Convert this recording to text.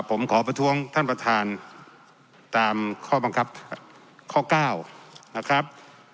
ผมขอประท้วงท่านประธานตามข้อบังคับข้อ๙นะครับ